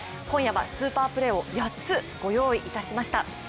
今夜はスーパープレーを８つご用意いたしました。